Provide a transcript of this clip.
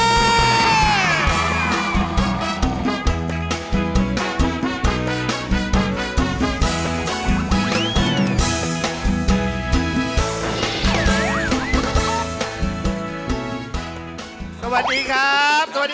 สวัสดีครับสวัสดีโอ้เชิญ